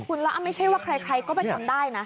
คุณแล้วไม่ใช่ว่าใครก็ไปทำได้นะ